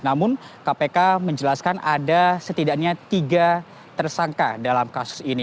namun kpk menjelaskan ada setidaknya tiga tersangka dalam kasus ini